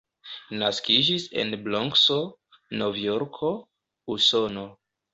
Naskiĝis en Bronkso, Nov-Jorko, Usono.